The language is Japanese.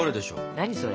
何それ？